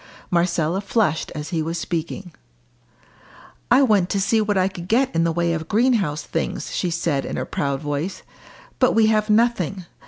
Marcella flushed as he was speaking. "I went to see what I could get in the way of greenhouse things," she said in a sudden proud voice. "But we have nothing.